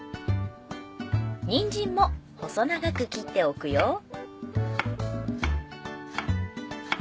にんじんも細長く切っておくよ